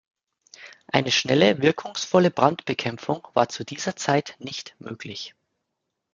Eine schnelle wirkungsvolle Brandbekämpfung war zu dieser Zeit nicht möglich.